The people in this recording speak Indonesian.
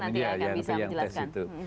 nanti akan bisa menjelaskan